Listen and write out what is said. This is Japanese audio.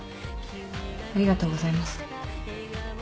ありがとうございます。